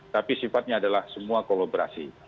tapi sifatnya adalah semua kolaborasi